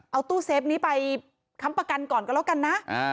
เอาตู้เซฟนี้ไปค้ำประกันก่อนก็แล้วกันนะ